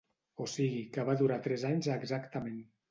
O sigui que va durar tres anys exactament.